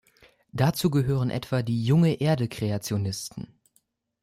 Dazu gehören etwa die Junge-Erde-Kreationisten.